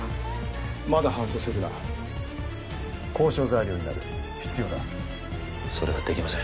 まだ搬送するな交渉材料になる必要だそれはできません